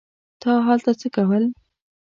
تا هلته څه کول.